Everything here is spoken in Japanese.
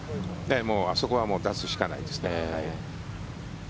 もうあそこは出すしかないですね。